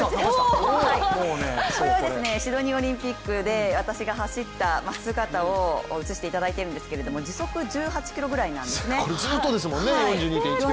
これはシドニーオリンピックで私が走った姿を映していただいているんですけど時速１８キロくらいなんですよね。４２．１９５